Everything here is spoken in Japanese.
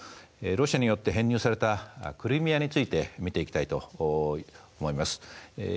ロシアによって編入されたクリミアについて見ていきたいと思います。